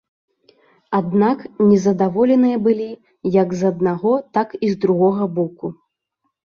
Аднак незадаволеныя былі як з аднаго, так і з другога боку.